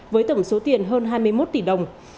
với tổng số tiền hơn hai mươi một tỷ đồng